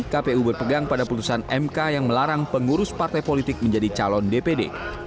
kpu berpegang pada putusan mk yang melarang pengurus partai politik menjadi calon dpd